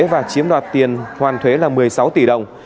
và chiếm đoạt tiền hoàn thuế là một mươi sáu tỷ đồng